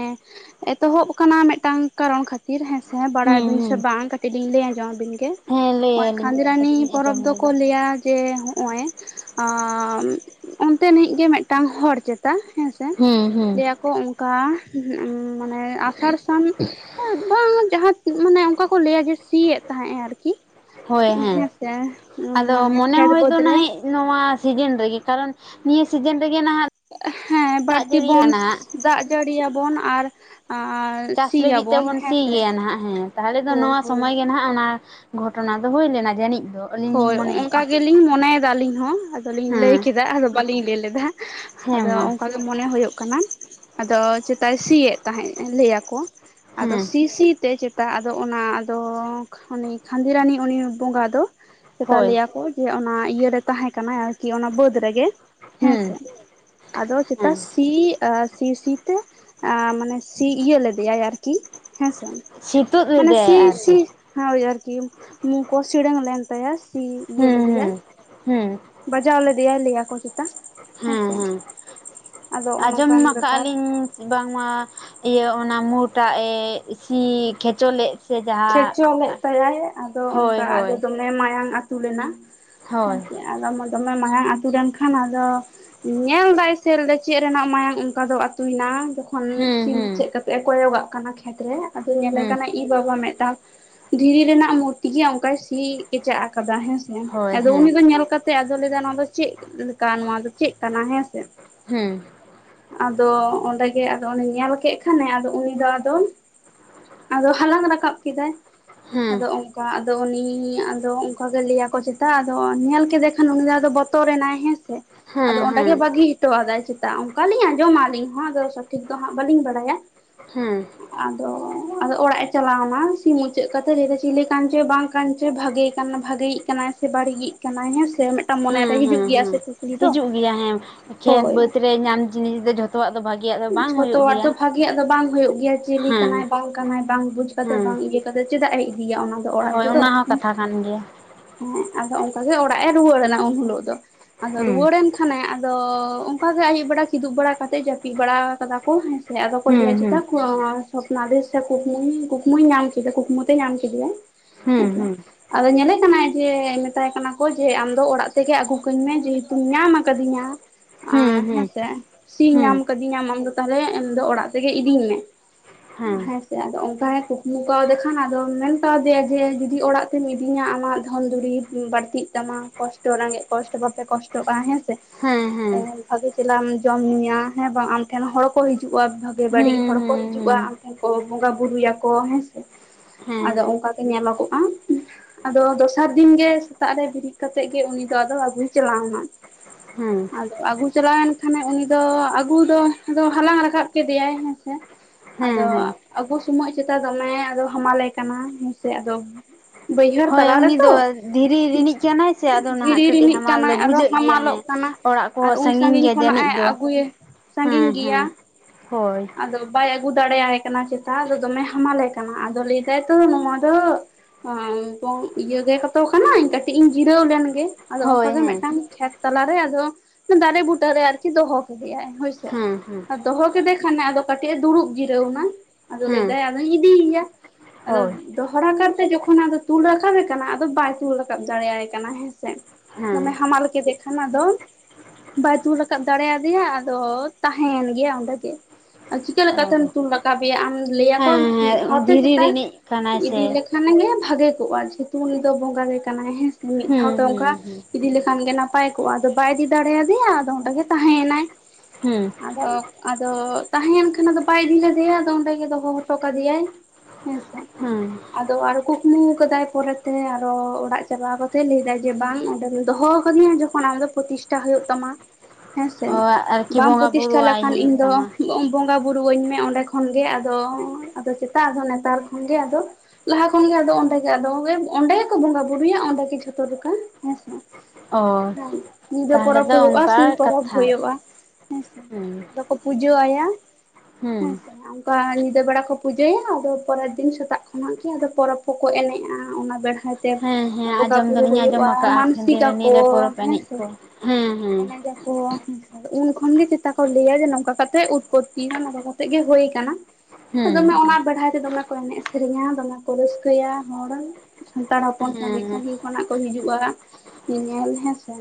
ᱮᱛᱚᱦᱚᱵ ᱟᱠᱟᱱᱟ ᱢᱤᱫᱴᱟᱝ ᱠᱟᱨᱚᱱ ᱠᱷᱟᱛᱤᱨ ᱦᱮᱸᱥᱮ ᱦᱮᱸ ᱵᱟᱲᱟᱭ ᱦᱩᱸ ᱟᱵᱤᱱ ᱥᱮ ᱦᱩᱸ ᱵᱟᱝ ᱠᱟᱹᱴᱤᱡ ᱞᱤᱧ ᱞᱟᱹᱭ ᱟᱸᱡᱚᱢ ᱟᱵᱤᱱ ᱜᱮ ᱦᱮᱸ ᱞᱟᱹᱭ ᱟᱹᱞᱤᱧ ᱠᱷᱟᱸᱫᱤ ᱵᱮᱱ ᱨᱟᱱᱤ ᱠᱟᱹᱴᱤᱡ ᱞᱤᱧ ᱯᱚᱨᱚᱵᱽ ᱟᱸᱡᱚᱢ ᱫᱚᱠᱚ ᱞᱮᱜᱮ ᱞᱟᱹᱭᱟ ᱡᱮ ᱦᱚᱜᱼᱭ ᱟᱸ ᱚᱱᱛᱮᱱᱤᱡ ᱜᱮ ᱢᱤᱫᱴᱟᱝ ᱦᱚᱲ [inaudible] ᱛᱟ ᱦᱮᱸ ᱥᱮ ᱦᱩᱸ ᱦᱩᱸ ᱟᱠᱚ ᱚᱱᱠᱟ ᱢᱟᱱᱮ ᱟᱥᱟᱲ ᱥᱟᱱ ᱵᱟᱝ ᱡᱟᱦᱟᱸ ᱢᱟᱱᱮ ᱚᱱᱠᱟ ᱠᱚ ᱞᱟᱹᱭᱟ ᱡᱮ ᱥᱤᱭᱮᱫ ᱛᱟᱦᱮᱸᱫ ᱟᱭ ᱟᱨᱠᱤ ᱦᱳᱭ ᱦᱮᱸ ᱦᱮᱸᱥᱮ ᱟᱫᱚ ᱢᱟᱱᱮ ᱢᱚᱱᱮ ᱠᱷᱮᱛ ᱦᱚᱭ ᱵᱟᱹᱫᱽ ᱫᱚ ᱨᱮ ᱱᱟᱭᱹᱹ ᱱᱚᱣᱟ ᱥᱤᱡᱤᱱ ᱨᱮᱜᱮ ᱠᱟᱨᱚᱱ ᱱᱤᱭᱟᱹ ᱥᱤᱡᱤᱱ ᱨᱮ ᱜᱮ ᱱᱟᱜ ᱦᱮᱸ ᱵᱟᱹᱲᱛᱤ ᱵᱚᱱ ᱫᱟᱜ ᱡᱟᱹᱲᱤᱭᱟᱵᱚᱱ ᱟᱨ ᱟᱨ ᱪᱟᱥ ᱞᱟᱹᱜᱤᱫ ᱥᱤᱭᱟᱵᱚᱱ ᱛᱮᱵᱚᱱ ᱥᱤ ᱦᱮᱸᱥᱮ ᱜᱮᱭᱟ ᱱᱟᱜ ᱦᱮᱸ ᱛᱟᱦᱚᱞᱮ ᱫᱚ ᱦᱳᱭ ᱱᱚᱣᱟ ᱦᱳᱭ ᱥᱚᱢᱚᱭ ᱜᱮ ᱱᱟᱜ ᱚᱱᱟ ᱜᱷᱚᱴᱚᱱᱟ ᱫᱚ ᱦᱩᱭ ᱞᱮᱱᱟ ᱡᱟᱹᱱᱤᱡ ᱫᱚ ᱟᱹᱞᱤᱧ ᱦᱳᱭ ᱞᱤᱧ ᱚᱱᱠᱟ ᱢᱚᱱᱮᱭᱮᱫᱼᱟ ᱜᱮᱞᱤᱧ ᱢᱚᱱᱮ ᱮᱫᱟ ᱟᱹᱞᱤᱧ ᱦᱚᱸ ᱟᱫᱚ ᱞᱤᱧ ᱞᱟᱹᱭ ᱦᱮᱸ ᱠᱮᱫᱟ ᱟᱫᱚ ᱵᱟᱞᱤᱧ ᱞᱟᱹᱭ ᱞᱮᱫᱟ ᱦᱮᱸ ᱟᱫᱚ ᱢᱟ ᱚᱱᱠᱟᱜᱮ ᱢᱚᱱᱮ ᱦᱩᱭᱩᱜ ᱠᱟᱱᱟ ᱟᱫᱚ ᱪᱮᱛᱟᱭ ᱥᱤᱭᱮᱫ ᱛᱟᱦᱮᱸᱫ ᱠᱟᱱᱟ ᱞᱟᱹᱭ ᱟᱠᱚ ᱟᱫᱚ ᱦᱮᱸ ᱥᱤ ᱥᱤ ᱛᱮ ᱪᱮᱛᱟ ᱟᱫᱚ ᱚᱱᱟ ᱟᱫᱚ ᱩᱱᱤ ᱠᱷᱟᱸᱫᱤ ᱨᱟᱱᱤ ᱩᱱᱤ ᱵᱚᱸᱜᱟ ᱫᱚ ᱢᱮᱛᱟ ᱦᱳᱭ ᱞᱟᱹᱭ ᱠᱚ ᱡᱮ ᱚᱱᱟ ᱤᱭᱟᱹᱨᱮ ᱛᱟᱦᱮᱸ ᱠᱟᱱᱟ ᱟᱨᱠᱤ ᱚᱱᱟ ᱵᱟᱹᱫ ᱨᱮ ᱜᱮ ᱦᱮᱸᱥᱮ ᱦᱮᱸ ᱟᱫᱚ ᱪᱮᱛᱟ ᱦᱮᱸ ᱥᱤ ᱥᱤ ᱥᱤ ᱛᱮ ᱢᱟᱱᱮ ᱥᱤ ᱤᱭᱟᱹ ᱞᱮᱫᱮᱭᱟᱭ ᱟᱨᱠᱤ ᱦᱮᱸᱥᱮ ᱥᱤᱛᱩᱜ ᱢᱟᱱᱮ ᱥᱤ ᱞᱮᱫᱟᱭ ᱥᱮ ᱟᱨᱠᱤ ᱦᱳᱭ ᱟᱨᱠᱤ ᱢᱩ ᱠᱚ ᱥᱤᱲᱟᱝ ᱞᱮᱱ ᱛᱟᱭᱟ ᱥᱤ ᱤᱭᱟᱹ ᱦᱮᱸ ᱦᱮᱸ ᱞᱮᱫᱮᱭᱟᱭ ᱦᱮᱸ ᱵᱟᱡᱟᱣ ᱞᱮᱫᱤᱭᱟᱭ ᱞᱟᱹᱭ ᱟᱠᱚ ᱪᱮᱛᱟ ᱦᱮᱸ ᱦᱮᱸᱥᱮ ᱦᱮᱸ ᱟᱫᱚ ᱟᱸᱡᱚᱢ ᱚᱱᱠᱟᱱ ᱟᱠᱟᱫ ᱵᱮᱯᱟᱨ ᱟᱞᱤᱧ ᱵᱟᱝᱢᱟ ᱤᱭᱟᱹ ᱚᱱᱟ ᱢᱩ ᱴᱟᱜ ᱮ ᱥᱤ ᱠᱷᱮᱪᱚ ᱞᱮᱫ ᱥᱮ ᱡᱟᱦᱟᱸ ᱠᱷᱮᱪᱚ ᱞᱮᱫ ᱛᱟᱭᱟᱭ ᱟᱫᱚ ᱦᱳᱭ ᱚᱱᱠᱟ ᱦᱳᱭ ᱫᱚᱢᱮ ᱢᱟᱭᱟᱝ ᱟᱹᱛᱩ ᱞᱮᱱᱟ ᱦᱳᱭ ᱦᱮᱸᱥᱮ ᱟᱫᱚ [unintelligible] ᱫᱚᱢᱮ ᱢᱟᱭᱟᱝ ᱟᱹᱛᱩ ᱞᱮᱱ ᱠᱷᱟᱱ ᱟᱫᱚ ᱧᱮᱞᱫᱟᱭ ᱥᱮ ᱞᱟᱭ ᱪᱮᱫ ᱨᱮᱱᱟᱜ ᱢᱟᱭᱟᱝ ᱚᱱᱠᱟ ᱫᱚ ᱟᱹᱛᱩᱭᱮᱱᱟ ᱥᱤ ᱦᱩᱸ ᱦᱩᱸ ᱢᱩᱪᱟᱹᱫ ᱠᱟᱛᱮ ᱮ ᱠᱚᱭᱚᱜᱟᱜ ᱠᱟᱱᱟ ᱠᱷᱮᱛ ᱨᱮ ᱟᱫᱚ ᱧᱮᱞᱮ ᱦᱩᱸ ᱠᱟᱱᱟ ᱤ ᱵᱟᱵᱟ ᱢᱮᱫ ᱫᱷᱤᱨᱤ ᱨᱮᱱᱟᱜ ᱢᱩᱨᱛᱤ ᱜᱮ ᱚᱱᱠᱟᱭ ᱥᱤ ᱠᱮᱪᱟᱜ ᱟᱠᱟᱫᱟ ᱦᱮᱸ ᱥᱮ ᱦᱳᱭ ᱟᱫᱚ ᱩᱱᱤ ᱦᱮᱸ ᱫᱚ ᱧᱮᱞ ᱠᱟᱛᱮ ᱟᱫᱚ ᱞᱟᱹᱭᱟ ᱱᱚᱣᱟ ᱫᱚ ᱪᱮᱫ ᱞᱮᱠᱟ ᱱᱚᱣᱟ ᱫᱚ ᱪᱮᱫ ᱠᱟᱱᱟ ᱦᱮᱸᱥᱮ ᱦᱮᱸ ᱟᱫᱚ ᱚᱸᱰᱮᱜᱮ ᱟᱫᱚ ᱚᱱᱮ ᱧᱮᱞ ᱠᱮᱫ ᱠᱷᱟᱱᱮ ᱟᱫᱚ ᱩᱱᱤ ᱫᱚ ᱟᱫᱚ ᱟᱫᱚ ᱦᱟᱞᱟᱝ ᱨᱟᱠᱟᱵ ᱠᱮᱫᱟᱭ ᱦᱮᱸ ᱟᱫᱚ ᱚᱱᱠᱟ ᱟᱫᱚ ᱩᱱᱤ ᱟᱫᱚ ᱚᱱᱠᱟᱟ ᱜᱮ ᱞᱟᱹᱭ ᱟᱠᱚ ᱪᱮᱛᱟ ᱟᱫᱚ ᱧᱮᱞ ᱠᱮᱫᱮ ᱠᱷᱟᱱ ᱩᱱᱤ ᱫᱚ ᱟᱫᱚ ᱵᱚᱛᱚᱨ ᱮᱱᱟᱭ ᱦᱮᱸ ᱥᱮ ᱟᱫᱚ ᱦᱮᱸ ᱚᱸᱰᱮ ᱦᱮᱸ ᱵᱟᱹᱜᱤ ᱦᱚᱴᱚᱣᱟᱫᱟᱭ ᱪᱮᱛᱟ ᱚᱱᱠᱟᱞᱤᱧ ᱟᱸᱡᱚᱢᱟ ᱟᱹᱞᱤᱧ ᱦᱚᱸ ᱟᱫᱚ ᱥᱚᱴᱷᱤᱠ ᱫᱚ ᱦᱟᱸᱜ ᱵᱟᱹᱞᱤᱧ ᱵᱟᱲᱟᱭᱟ ᱦᱮᱸ ᱟᱫᱚ ᱟᱫᱚ ᱚᱲᱟᱜ ᱮ ᱪᱟᱞᱟᱣᱮᱱᱟ ᱥᱤ ᱢᱩᱪᱟᱹᱫ ᱠᱟᱛᱮ ᱞᱟᱹᱭ ᱫᱟᱭ ᱪᱤᱞᱤ ᱠᱟᱱ ᱪᱚᱭ ᱵᱟᱝ ᱠᱟᱱ ᱪᱚᱭ ᱵᱷᱟᱜᱮ ᱠᱟᱱ ᱵᱷᱟᱜᱮᱭᱤᱡ ᱠᱟᱱᱟᱭ ᱥᱮ ᱵᱟᱹᱲᱤᱡᱤᱡ ᱠᱟᱱᱟᱭ ᱦᱮᱸ ᱥᱮ ᱢᱤᱫᱴᱟᱝ ᱢᱚᱱᱮᱨᱮ ᱦᱮᱸ ᱦᱤᱡᱩᱜ ᱦᱮᱸ ᱜᱮᱭᱟ ᱥᱮ ᱦᱮᱸ ᱠᱩᱠᱞᱤ ᱫᱚ ᱦᱤᱡᱩᱜ ᱜᱮᱭᱟ ᱦᱮᱸ ᱠᱷᱮᱛ ᱦᱳᱭ ᱵᱟᱹᱫᱽ ᱨᱮ ᱧᱟᱢ ᱡᱤᱱᱤᱥ ᱫᱚ ᱡᱚᱛᱚ ᱦᱚᱸ ᱟᱫᱚ ᱵᱷᱟᱜᱤᱭᱟᱜ ᱵᱟᱝ ᱦᱩᱭᱩᱜ ᱡᱷᱚᱛᱚᱣᱟᱜ ᱜᱮᱭᱟ ᱫᱚ ᱵᱷᱟᱜᱤᱭᱟᱜ ᱫᱚ ᱵᱟᱝ ᱦᱩᱭᱩᱜ ᱜᱮᱭᱟ ᱪᱤᱞᱤ ᱠᱟᱱᱟᱭ ᱦᱮᱸ ᱵᱟᱝ ᱠᱟᱱᱟᱭ ᱵᱟᱝ ᱵᱩᱡᱽ ᱠᱟᱛᱮ ᱦᱮᱸ ᱵᱟᱝ ᱤᱭᱟᱹ ᱠᱟᱛᱮ ᱪᱮᱫᱟᱜ ᱮ ᱤᱫᱤᱭᱟ ᱚᱱᱟ ᱫᱚ ᱚᱲᱟᱜ ᱛᱮ ᱫᱚ ᱱᱚᱣᱟ ᱠᱟᱛᱷᱟ ᱠᱟᱱ ᱜᱮᱭᱟ ᱦᱮᱸ ᱟᱫᱚ ᱚᱱᱠᱟ ᱜᱮ ᱚᱲᱟᱜ ᱮ ᱨᱩᱣᱟᱹᱲᱮᱱᱟ ᱩᱱ ᱦᱤᱞᱳᱜ ᱫᱚ ᱟᱫᱚ ᱦᱩᱸ ᱨᱩᱣᱟᱹᱲᱮᱱ ᱦᱟᱱᱮ ᱟᱫᱚ ᱚᱱᱠᱟ ᱜᱮ ᱟᱹᱭᱩᱵ ᱵᱮᱲᱟ ᱠᱤᱫᱩᱵ ᱵᱟᱲᱟ ᱠᱟᱛᱮ ᱡᱟᱹᱯᱤᱫ ᱵᱟᱲᱟ ᱠᱟᱫᱟ ᱠᱚ ᱦᱮᱸ ᱟᱫᱚ ᱠᱚ ᱦᱩᱸ ᱞᱮᱭᱟ ᱦᱩᱸ ᱪᱤᱛᱟ [unintelligible] ᱥᱚᱯᱱᱚᱣᱟᱫᱮ ᱥᱮ ᱠᱩᱠᱢᱩ ᱠᱩᱠᱢᱩᱭ ᱧᱟᱢ ᱠᱮᱫᱮ ᱠᱩᱠᱢᱩ ᱛᱮᱭ ᱧᱟᱢ ᱠᱮᱫᱮᱭᱟ ᱦᱩᱸ ᱦᱮᱸᱥᱮ ᱦᱩᱸ ᱟᱫᱚ ᱧᱮᱞᱮ ᱠᱟᱱᱟᱭ ᱡᱮ ᱢᱮᱛᱟᱭ ᱠᱟᱱᱟ ᱠᱚ ᱡᱮ ᱟᱢᱫᱚ ᱚᱲᱟᱜ ᱛᱮᱜᱮ ᱟᱹᱜᱩ ᱠᱟᱹᱧ ᱢᱮ ᱡᱮ ᱧᱟᱢ ᱟᱠᱟᱫᱤᱧᱟᱸᱭ ᱦᱩᱸ ᱦᱩᱸ ᱦᱮᱸᱥᱮ ᱥᱤ ᱧᱟᱢ ᱠᱟᱹᱫᱤᱧᱟᱢ ᱟᱢ ᱫᱚ ᱛᱟᱦᱚᱞᱮ ᱟᱢ ᱫᱚ ᱚᱲᱟᱜ ᱛᱮᱜᱮ ᱤᱫᱤᱧ ᱢᱮ ᱦᱮᱸ ᱛᱮ ᱟᱫᱚ ᱚᱱᱠᱟᱭ ᱠᱩᱠᱢᱩ ᱠᱟᱣᱫᱮ ᱠᱷᱟᱱ ᱟᱫᱚ ᱢᱮᱱ ᱠᱟᱣᱫᱮᱭᱟᱭ ᱡᱮ ᱡᱩᱫᱤ ᱚᱲᱟᱜ ᱛᱮᱢ ᱤᱫᱤᱧᱟ ᱟᱢᱟᱜ ᱫᱷᱚᱱ ᱫᱩᱨᱤᱵᱽ ᱵᱟᱹᱲᱛᱤᱜ ᱛᱟᱢᱟ ᱠᱚᱥᱴᱚ ᱨᱮᱸᱜᱮᱡ ᱠᱚᱥᱴᱚ ᱵᱟᱯᱮ ᱠᱚᱥᱴᱚᱜᱼᱟ ᱦᱮᱸ ᱥᱮ ᱦᱮᱸ ᱦᱮᱸ ᱵᱷᱟᱜᱮ ᱪᱮᱞᱟᱢ ᱡᱚᱢ ᱧᱩᱭᱟ ᱦᱮᱸ ᱵᱟᱝ ᱟᱢ ᱴᱷᱮᱱ ᱦᱚᱲ ᱠᱚ ᱦᱤᱡᱩᱜᱼᱟ ᱵᱷᱟᱜᱮ ᱵᱟᱹᱲᱤᱡ ᱦᱮᱸ ᱦᱚᱲ ᱦᱩᱸ ᱠᱚ ᱦᱤᱡᱩᱜᱼᱟ ᱦᱩᱸ ᱦᱤᱡᱩᱜᱼᱟ ᱟᱢ ᱴᱷᱮᱱ ᱠᱚ ᱵᱚᱸᱜᱟ ᱵᱩᱨᱩᱭᱟᱠᱚ ᱦᱮᱸ ᱥᱮ ᱦᱩᱸ ᱟᱫᱚ ᱚᱱᱠᱟᱜᱮ ᱧᱮᱞᱚᱜᱚᱜᱼᱟ ᱟᱫᱚ ᱫᱚᱥᱟᱨ ᱫᱤᱱᱜᱮ ᱥᱮᱛᱟᱜ ᱨᱮ ᱵᱮᱨᱮᱫ ᱠᱟᱛᱮᱜ ᱜᱮ ᱩᱱᱤ ᱫᱚ ᱟᱫᱚ ᱟᱹᱜᱩᱭ ᱪᱟᱞᱟᱣ ᱮᱱᱟ ᱦᱮᱸ ᱦᱮᱸ ᱟᱫᱚ ᱟᱹᱜᱩ ᱪᱟᱞᱟᱣᱮᱱ ᱠᱷᱟᱱᱮ ᱩᱱᱤ ᱫᱚ ᱩᱱᱤ ᱫᱚ ᱟᱫᱚ ᱦᱟᱞᱟᱝ ᱨᱟᱠᱟᱵ ᱠᱮᱫᱮᱭᱟᱭ ᱦᱮᱸᱥᱮ ᱦᱮᱸ ᱟᱫᱚ ᱦᱮᱸ ᱟᱹᱜᱩ ᱥᱳᱢᱚᱭ ᱪᱮᱛᱟ ᱫᱚᱢᱮ ᱟᱫᱚ ᱦᱟᱢᱟᱞᱮ ᱠᱟᱱᱟ ᱦᱮᱸᱥᱮ ᱟᱫᱚ ᱵᱟᱹᱭᱦᱟᱹᱲ ᱦᱳᱭ ᱛᱟᱞᱟ ᱩᱱᱤ ᱫᱚ ᱨᱮᱛᱚ ᱫᱷᱤᱨᱤ ᱨᱤᱱᱤᱡ ᱠᱟᱱᱟᱭ ᱥᱮ ᱟᱫᱚ ᱱᱟᱦᱟᱜ ᱫᱷᱤᱨᱤ ᱠᱟᱹᱴᱤᱡ ᱨᱤᱱᱤᱡ ᱦᱟᱢᱟᱞ ᱫᱚ ᱠᱟᱱᱟᱭ ᱟᱫᱚ ᱵᱩᱡᱷᱟᱹᱜ ᱜᱮᱭᱟ ᱦᱟᱢᱟᱞᱚᱜ ᱦᱮᱸ ᱠᱟᱱᱟ ᱚᱲᱟᱜ ᱠᱚ ᱟᱨ ᱦᱚᱸ ᱩᱱ ᱥᱟᱺᱜᱤᱧ ᱜᱮᱭᱟ ᱠᱷᱚᱱᱟᱜ ᱡᱟᱹᱱᱤᱡ ᱮ ᱫᱚ ᱟᱹᱜᱩᱭᱮ ᱦᱮᱸ ᱥᱟᱺᱜᱤᱧ ᱜᱮᱭᱟ ᱦᱮᱸ ᱦᱳᱭ ᱟᱫᱚ ᱵᱟᱭ ᱟᱹᱜᱩ ᱫᱟᱲᱮᱭᱟᱭ ᱠᱟᱱᱟ ᱪᱮᱛᱟ ᱟᱫᱚ ᱫᱚᱢᱮ ᱦᱟᱢᱟᱞᱮ ᱠᱟᱱᱟ ᱟᱫᱚ ᱞᱟᱹᱭᱫᱟᱭ ᱛᱚ ᱱᱚᱣᱟ ᱫᱚ [unintelligible] ᱤᱭᱟᱹᱜᱮ ᱠᱚᱛᱚ ᱠᱟᱱᱟᱭ ᱠᱟᱹᱴᱤᱡ ᱤᱧ ᱡᱤᱨᱟᱹᱣ ᱞᱮᱱ ᱜᱮ ᱟᱫᱚ ᱦᱳᱭ ᱚᱱᱠᱟ ᱜᱮ ᱦᱮᱸ ᱢᱤᱫᱴᱟᱝ ᱠᱷᱮᱛ ᱛᱟᱞᱟᱨᱮ ᱟᱫᱚ ᱫᱟᱨᱮ ᱵᱩᱴᱟᱹᱨᱮ ᱟᱨᱠᱤ ᱫᱚᱦᱚ ᱠᱮᱫᱮᱭᱟᱭ ᱦᱳᱭᱥᱮ ᱦᱮᱸ ᱦᱮᱸ ᱫᱚᱦᱚ ᱠᱮᱫᱮ ᱠᱷᱟᱱᱮ ᱟᱫᱚ ᱠᱟᱹᱴᱤᱡ ᱮ ᱫᱩᱲᱩᱵ ᱡᱤᱨᱟᱹᱣᱮᱱᱟ ᱟᱫᱚ ᱦᱮᱸ ᱞᱟᱹᱭᱫᱟᱭ ᱟᱫᱚᱧ ᱤᱫᱤᱭᱮᱭᱟ ᱟᱫᱚ ᱦᱳᱭ ᱫᱚᱦᱚᱲᱟ ᱠᱟᱨᱛᱮ ᱡᱚᱠᱷᱚᱱ ᱟᱫᱚ ᱛᱩᱞ ᱨᱟᱠᱟᱵᱮ ᱠᱟᱱᱟ ᱟᱫᱚ ᱵᱟᱭ ᱛᱩᱞ ᱨᱟᱠᱟᱵ ᱫᱟᱲᱮᱭᱟᱭ ᱠᱟᱱᱟ ᱦᱮᱸᱥᱮ ᱫᱚᱢᱮ ᱦᱮᱸ ᱦᱟᱢᱟᱞ ᱠᱮᱫᱮ ᱠᱷᱟᱱ ᱟᱫᱚ ᱵᱟᱭ ᱛᱩᱞ ᱨᱟᱠᱟᱵ ᱫᱟᱲᱮᱭᱟᱫᱮᱭᱟ ᱟᱫᱚ ᱛᱟᱦᱮᱸᱭᱮᱱ ᱜᱮᱭᱟ ᱚᱸᱰᱮᱜᱮ ᱟᱨ ᱪᱤᱠᱟᱹ ᱞᱮᱠᱟᱛᱮᱢ ᱚ ᱛᱩᱞ ᱨᱟᱠᱟᱵᱮᱭᱟ ᱟᱢ ᱞᱟᱹᱭᱟᱠᱚ ᱦᱮᱸ ᱢᱤᱫ ᱫᱷᱟᱣ ᱦᱮᱸ ᱛᱮ ᱫᱷᱤᱨᱤ ᱪᱮᱛᱟ ᱨᱤᱱᱤᱡ ᱠᱟᱱᱟᱭ ᱥᱮ ᱤᱫᱤ ᱞᱮᱠᱷᱟᱱ ᱜᱮ ᱵᱷᱟᱜᱮ ᱠᱚᱜᱼᱟ ᱡᱮᱦᱮᱛᱩ ᱩᱱᱤ ᱫᱚ ᱵᱚᱸᱜᱟ ᱜᱮ ᱠᱟᱱᱟᱭ ᱦᱮᱸ ᱢᱤᱫ ᱦᱩᱸ ᱫᱷᱟᱣ ᱫᱚ ᱚᱱᱠᱟ ᱦᱩᱸ ᱦᱩᱸ ᱤᱫᱤ ᱞᱮᱠᱷᱟᱱ ᱜᱮ ᱱᱟᱯᱟᱭ ᱠᱚᱜ-ᱟ ᱟᱫᱚ ᱵᱟᱭ ᱤᱫᱤ ᱫᱟᱲᱮᱭᱟ ᱫᱮᱭᱟ ᱟᱫᱚ ᱚᱸᱰᱮ ᱜᱮ ᱛᱟᱦᱮᱸᱭ ᱱᱟᱭ ᱦᱩᱸ ᱟᱫᱚ ᱟᱫᱚ ᱛᱟᱦᱮᱸᱭᱮᱱ ᱠᱷᱟᱱ ᱟᱫᱚ ᱵᱟᱭ ᱤᱫᱤ ᱞᱮᱫᱮᱭᱟ ᱟᱫᱚ ᱚᱸᱰᱮ ᱜᱮ ᱫᱚ ᱦᱚᱸ ᱦᱚᱴᱚ ᱠᱟᱫᱮᱭᱟᱭ ᱦᱮᱸᱥᱮ ᱦᱮᱸ ᱟᱫᱚ ᱟᱨ ᱠᱩᱠᱢᱩ ᱠᱟᱫᱟᱭ ᱯᱚᱨᱮ ᱛᱮ ᱟᱨᱚ ᱚᱲᱟᱜ ᱪᱟᱞᱟᱣ ᱠᱟᱛᱮ ᱞᱟᱹᱭ ᱫᱟᱭ ᱡᱮ ᱵᱟᱝ ᱚᱸᱰᱮᱢ ᱫᱚᱦᱚ ᱠᱟᱹᱫᱤᱧᱟ ᱡᱚᱠᱷ ᱠᱷᱚᱱ ᱟᱢ ᱫᱚ ᱯᱨᱚᱛᱤᱥᱴᱷᱟ ᱦᱳᱭᱳᱜ ᱛᱟᱢᱟ ᱦᱮᱸᱥᱮ ᱚ ᱟᱨᱠᱤ ᱵᱟᱢ ᱵᱚᱸᱜᱟ ᱯᱨᱚᱛᱤᱥᱴᱷᱟ ᱵᱩᱨᱩᱣᱟᱭ ᱞᱮᱠᱷᱟᱱ ᱤᱧ ᱦᱩᱭᱩᱜ ᱫᱚ ᱛᱟᱢᱟ ᱵᱚᱸᱜᱟ ᱵᱩᱨᱩᱣᱟᱹᱧ ᱢᱮ ᱚᱸᱰᱮ ᱠᱷᱚᱱ ᱜᱮ ᱟᱫᱚ ᱟᱫᱚ ᱪᱮᱛᱟ ᱟᱫᱚ ᱱᱮᱛᱟᱨ ᱠᱷᱚᱱ ᱜᱮ‌ ᱟᱫᱚ ᱞᱟᱦᱟ ᱠᱷᱚᱱ ᱜᱮ ᱟᱫᱚ ᱚᱸᱰᱮ ᱜᱮ ᱟᱫᱚ [unintelligible] ᱚᱸᱰᱮ ᱜᱮᱠᱚ ᱵᱚᱸᱜᱟ ᱵᱩᱨᱩᱭᱟ ᱚᱸᱰᱮ ᱜᱮ ᱡᱷᱚᱛᱚ ᱞᱮᱠᱟ ᱦᱮᱸᱥᱮ ᱚ ᱦᱩᱸ ᱧᱤᱫᱟᱹ ᱛᱟᱦᱚᱞᱮ ᱯᱚᱨᱚᱵᱽ ᱦᱩᱭᱩᱜᱼᱟ ᱥᱤᱧ ᱯᱚᱨᱚᱵᱽ ᱦᱳᱭᱳᱜᱼᱟ ᱦᱮᱸ ᱯᱩᱡᱟᱹ ᱟᱭᱟ ᱦᱮᱸ ᱥᱮ ᱚᱱᱠᱟ ᱧᱤᱫᱟᱹ ᱵᱮᱲᱟ ᱠᱚ ᱯᱩᱡᱟᱹᱭᱟ ᱟᱫᱚ ᱯᱚᱨᱮᱨ ᱫᱤᱱ ᱥᱮᱛᱟᱜ ᱠᱷᱚᱱᱟᱜ ᱜᱮ ᱟᱫᱚ ᱯᱚᱨᱚᱵᱽ ᱠᱚ ᱠᱚ ᱮᱱᱮᱡᱼᱟ ᱚᱱᱟ ᱵᱮᱲᱦᱟᱭ ᱛᱮ ᱦᱮᱸ ᱦᱮᱸ ᱵᱚᱸᱜᱟ ᱟᱸᱡᱚᱢ ᱵᱩᱨᱩ ᱫᱚᱞᱤᱧ ᱦᱩᱭᱩᱜ ᱟᱸᱡᱚᱢ ᱟ ᱟᱠᱟᱜᱼᱟ ᱢᱟᱱᱥᱤᱠ ᱠᱷᱟᱸᱫᱤᱨᱟᱱᱤ ᱠᱟᱠᱚ ᱨᱮ ᱯᱚᱨᱚᱵᱽ ᱮᱱᱮᱡ ᱦᱮᱸᱥᱮ ᱠᱚ ᱦᱮᱸ ᱦᱮᱸ ᱩᱱ ᱠᱷᱚᱱ ᱜᱮ ᱪᱮᱛᱟ ᱠᱚ ᱞᱟᱹᱭᱟ ᱡᱮ ᱱᱚᱝᱠᱟ ᱠᱟᱛᱮ ᱩᱛᱯᱚᱛᱛᱤ ᱢᱟ ᱱᱚᱝᱠᱟ ᱠᱟᱛᱮ ᱜᱮ ᱦᱳᱭ ᱠᱟᱱᱟ ᱦᱮᱸ ᱟᱫᱚ ᱢᱟ ᱚᱱᱟ ᱵᱮᱲᱦᱟᱭ ᱛᱮᱫᱚ ᱱᱟ ᱠᱚ ᱮᱱᱮᱡ ᱥᱮᱨᱮᱧᱟ ᱫᱚᱢᱮ ᱠᱚ ᱨᱟᱹᱥᱠᱟᱹᱭᱟ ᱦᱚᱲ ᱥᱟᱱᱛᱟᱲ ᱦᱚᱯᱚᱱ ᱥᱟᱹᱜᱤᱧ ᱦᱮᱸ ᱥᱟᱹᱜᱤᱧ ᱠᱷᱚᱱᱟᱜ ᱠᱚ ᱦᱤᱡᱩᱜᱼᱟ ᱧᱮᱧᱮᱞ ᱦᱮᱸᱥᱮ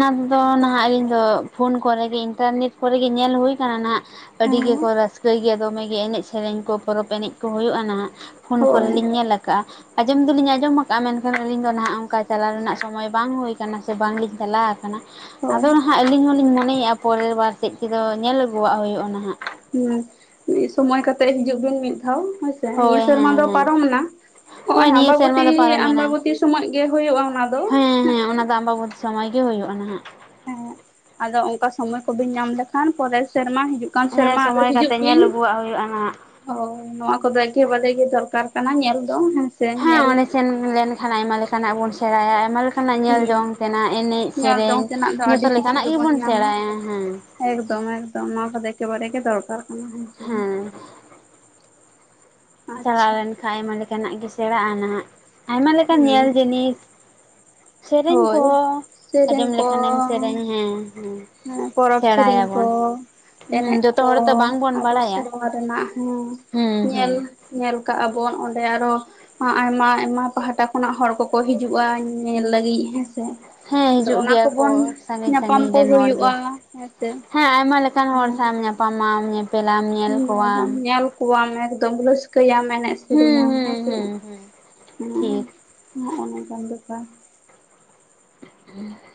ᱚᱱᱟ ᱫᱚ ᱚᱱᱠᱟ ᱱᱟᱦᱟᱜ ᱤᱧ ᱫᱚ ᱯᱷᱳᱱ ᱠᱚᱨᱮ ᱜᱮ ᱤᱱᱴᱟᱨᱱᱮᱴ ᱠᱚᱨᱮ ᱜᱮ ᱧᱮᱞ ᱦᱳᱭ ᱠᱟᱱᱟ ᱱᱟᱦᱟᱜ ᱟᱹᱰᱤ ᱦᱮᱸ ᱜᱮᱠᱚ ᱨᱟᱹᱥᱠᱟᱹᱭ ᱜᱮᱭᱟ ᱫᱚᱢᱮ ᱜᱮ ᱮᱱᱮᱡ ᱥᱮᱨᱮᱧ ᱠᱚ ᱯᱚᱨᱚᱵ ᱮᱱᱮᱡ ᱠᱚ ᱦᱳᱭᱳᱜ-ᱟ ᱱᱟᱦᱟᱜ ᱯᱷᱳᱱ ᱠᱚ ᱨᱮ ᱦᱳᱭ ᱞᱤᱧ ᱧᱮᱞ ᱟᱠᱟᱜᱼᱟ ᱟᱸᱡᱚᱢ ᱫᱚ ᱞᱤᱧ ᱟᱸᱡᱚᱢ ᱟᱠᱟᱜ-ᱟ ᱢᱮᱱᱠᱷᱟᱱ ᱟᱹᱞᱤᱧ ᱫᱚ ᱱᱟᱦᱟᱜ ᱚᱱᱠᱟ ᱪᱟᱞᱟᱣ ᱨᱮᱱᱟᱜ ᱥᱚᱢᱚᱭ ᱵᱟᱝ ᱦᱩᱭ ᱠᱟᱱᱟ ᱥᱮ ᱵᱟᱝ ᱞᱤᱧ ᱪᱟᱞᱟᱣ ᱟᱠᱟᱱᱟ ᱦᱳᱭ ᱟᱫᱚ ᱱᱟᱦᱟᱜ ᱟᱹᱞᱤᱧ ᱦᱚᱞᱤᱧ ᱢᱚᱱᱮᱭᱟ ᱯᱚᱨᱮᱨ ᱵᱟᱨ ᱥᱮᱜ ᱛᱮᱫᱚ ᱧᱮᱞ ᱟᱹᱜᱩᱣᱟᱜ ᱦᱳᱭᱳᱜ ᱟ ᱱᱟᱦᱟᱜ ᱦᱩᱸ ᱢᱤᱫ ᱥᱚᱢᱚᱭ ᱠᱟᱛᱮᱜ ᱦᱤᱡᱩᱜ ᱵᱤᱱ ᱢᱤᱫ ᱫᱷᱟᱣ ᱦᱳᱭᱥᱮ ᱱᱤᱭᱟᱹ ᱦᱳᱭ ᱥᱮᱨᱢᱟ ᱦᱮᱸ ᱫᱚ ᱦᱮᱸ ᱯᱟᱨᱚᱢ ᱮᱱᱟ ᱱᱚᱜ ᱦᱳᱭ ᱚᱭ ᱱᱤᱭᱟᱹ ᱟᱢᱵᱟᱵᱚᱛᱤ ᱥᱮᱨᱢᱟ ᱫᱚ ᱯᱟᱨᱚᱢᱮᱱᱟ ᱟᱢᱵᱟᱵᱚᱛᱤ ᱥᱚᱢᱚᱭ ᱜᱮ ᱦᱳᱭᱳᱜ-ᱟ ᱚᱱᱟ ᱫᱚ ᱦᱮᱸ ᱦᱮᱸ ᱦᱮᱸᱥᱮ ᱚᱱᱟ ᱫᱚ ᱟᱢᱵᱟᱵᱚᱛᱤ ᱥᱚᱢᱚᱭ ᱜᱮ ᱦᱳᱭᱳᱜ-ᱟ ᱱᱟᱦᱟᱜ ᱦᱮᱸ ᱟᱫᱚ ᱚᱱᱠᱟ ᱥᱚᱢᱚᱭ ᱠᱚ ᱵᱤᱱ ᱧᱟᱢ ᱞᱮᱠᱷᱟᱱ ᱯᱚᱨᱮᱨ ᱥᱮᱨᱢᱟ ᱦᱤᱡᱩᱜ ᱦᱤᱡᱩᱜ ᱠᱟᱱ ᱦᱮᱸ ᱥᱮᱨᱢᱟ ᱟᱫᱚ ᱥᱚᱢᱚᱭ ᱦᱤᱡᱩᱜ ᱠᱟᱛᱮᱜ ᱵᱤᱱ ᱧᱮᱞ ᱟᱹᱜᱩᱣᱟᱜ ᱦᱩᱭᱩᱜᱼᱟ ᱱᱟᱦᱟᱜ ᱳ ᱱᱚᱣᱟ ᱠᱚᱫᱚ ᱮᱠᱮᱵᱟᱨᱮ ᱜᱮ ᱫᱚᱨᱠᱟᱨ ᱠᱟᱱᱟ ᱧᱮᱞ ᱫᱚ ᱦᱮᱸᱥᱮ ᱦᱮᱸ ᱧᱮᱞ ᱚᱸᱰᱮ ᱥᱮᱱ ᱞᱮᱱᱠᱷᱟᱱ ᱟᱭᱢᱟ ᱞᱮᱠᱟᱱᱟᱜ ᱵᱚᱱ ᱥᱮᱬᱟᱭᱟ ᱟᱭᱢᱟ ᱞᱮᱠᱟ ᱱᱟᱜ ᱧᱮᱞ ᱦᱮᱸ ᱡᱚᱝ ᱛᱮᱱᱟᱜ ᱮᱱᱮᱡ ᱧᱮᱞ ᱥᱮᱨᱮᱧ ᱡᱚᱝ ᱛᱮᱱᱟᱜ ᱫᱚ ᱟᱹᱰᱤ ᱡᱷᱚᱛᱚ ᱠᱤᱪᱷᱩ ᱞᱮᱠᱟᱱᱟᱜ ᱜᱮᱵᱚᱱ ᱧᱟᱢᱟ ᱥᱮᱬᱟᱭᱟ ᱦᱮᱸ ᱮᱠᱫᱚᱢ ᱮᱠᱫᱚᱢ ᱱᱚᱣᱟ ᱠᱚ ᱮᱠᱮᱵᱟᱨᱮ ᱜᱮ ᱫᱚᱨᱠᱟᱨ ᱠᱟᱱᱟ ᱦᱮᱸᱥᱮ ᱦᱮᱸ ᱪᱟᱞᱟᱣ ᱟᱪᱪᱷᱟ ᱞᱮᱱᱠᱷᱟᱡ ᱟᱭᱢᱟ ᱞᱮᱠᱟᱱᱟᱜ ᱜᱮ ᱥᱮᱬᱟᱜ-ᱟ ᱱᱟᱦᱟᱜ ᱟᱭᱢᱟ ᱞᱮᱠᱟᱱ ᱦᱩᱸ ᱧᱮᱞ ᱡᱤᱱᱤᱥ ᱥᱮᱨᱮᱧ ᱦᱳᱭ ᱠᱚᱦᱚᱸ ᱥᱮᱨᱮᱧ ᱟᱸᱡᱚᱢ ᱠᱚ ᱞᱮᱠᱷᱟᱱᱮᱢ ᱥᱮᱨᱮᱧ ᱦᱮᱸ ᱦᱮᱸ ᱯᱚᱨᱚᱵ ᱥᱮᱨᱮᱧ ᱠᱚ ᱥᱮᱬᱟᱭᱟᱵᱚᱱ ᱮᱱᱮᱡ ᱦᱩᱸ ᱡᱚᱛᱚ ᱠᱚ ᱦᱚᱲ ᱛᱚ ᱵᱟᱝᱵᱚᱱ ᱟᱵᱚ ᱵᱟᱲᱟᱭᱟ ᱥᱮᱨᱣᱟ ᱨᱮᱱᱟᱜ ᱦᱚᱸ ᱦᱩᱸ ᱦᱩᱸ ᱧᱮᱞ ᱧᱮᱞ ᱠᱟᱜ ᱟᱵᱚᱱ ᱚᱸᱰᱮ ᱟᱨ ᱦᱚᱸ ᱟᱭᱢᱟ ᱟᱭᱢᱟ ᱯᱟᱦᱴᱟ ᱠᱷᱚᱱᱟᱜ ᱦᱚᱲ ᱠᱚᱠᱚ ᱦᱤᱡᱩᱜ ᱟ ᱧᱮᱞ ᱞᱟᱹᱜᱤᱫ ᱦᱮᱸ ᱦᱮᱸ ᱦᱤᱡᱩᱜ ᱜᱮᱭᱟ ᱠᱚ ᱥᱟᱺᱜᱤᱧ ᱧᱟᱯᱟᱢ ᱥᱟᱺᱜᱤᱧ ᱠᱚ ᱨᱮᱱ ᱦᱚᱲ ᱦᱩᱭᱩᱜᱼᱟ ᱜᱮ ᱦᱮᱸᱥᱮ ᱦᱮᱸ ᱟᱭᱢᱟ ᱞᱮᱠᱟᱱ ᱦᱚᱲ ᱦᱮᱸ᱾ ᱥᱟᱶᱮᱢ ᱧᱟᱯᱟᱢᱟ ᱧᱮᱯᱮᱞᱟᱢ ᱧᱮᱞ ᱠᱚᱣᱟᱢ ᱧᱮᱞᱟᱢ ᱧᱮᱞ ᱠᱚᱣᱟᱢ ᱮᱠᱫᱚᱢ ᱨᱟᱹᱥᱠᱟᱹᱭᱟᱢ ᱮᱱᱮᱡ ᱥᱮᱨᱮᱧ ᱦᱩᱸ ᱧᱟᱢ ᱦᱩᱸ ᱦᱮᱸᱥᱮ ᱦᱩᱸ ᱦᱩᱸ ᱴᱷᱤᱠ ᱱᱚᱜ-ᱚ ᱱᱚᱝᱠᱟᱱ ᱵᱮᱯᱟᱨ [unintelligible]